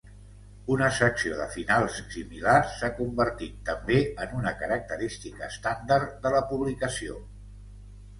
Una secció de finals similar s'ha convertit també en una característica estàndard de la publicació.